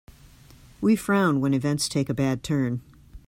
We frown when events take a bad turn.